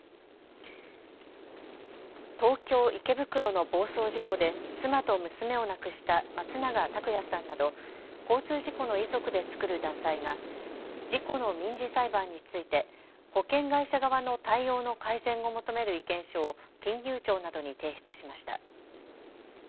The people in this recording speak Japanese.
東京池袋の暴走事故で妻と娘を亡くした松永拓也さんなど交通事故の遺族で作る団体が事故の民事裁判について保険会社側の対応の改善を求める意見書を金融庁などに提出しました。